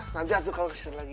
nanti kalau kesini lagi